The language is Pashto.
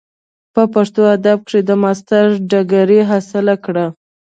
پۀ پښتو ادب کښې د ماسټر ډګري حاصله کړه ۔